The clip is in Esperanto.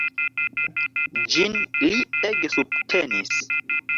Ĝin li ege subtenis.